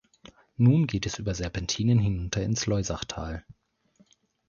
Nun geht es über Serpentinen hinunter ins Loisachtal.